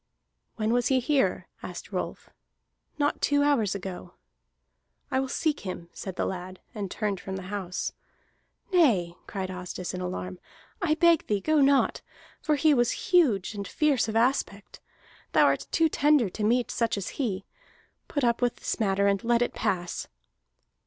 "When was he here?" asked Rolf. "Not two hours ago." "I will seek him," said the lad, and turned from the house. "Nay," cried Asdis in alarm, "I beg thee, go not! For he was huge and fierce of aspect. Thou art too tender to meet such as he. Put up with this matter and let it pass."